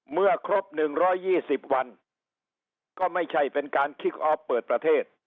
เมื่อครบ๑๒๐วันก็ไม่ใช่เป็นการคิกออฟเปิดประเทศ